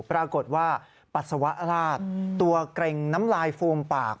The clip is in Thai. ปรากฏว่าปัสสาวะลาดตัวเกร็งน้ำลายฟูมปาก